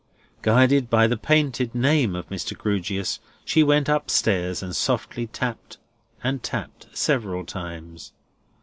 Guided by the painted name of Mr. Grewgious, she went up stairs and softly tapped and tapped several times.